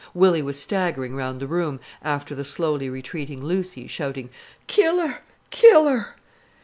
Willy was staggering round the room, after the slowly retreating Lucy, shouting: "Kill her! Kill her!"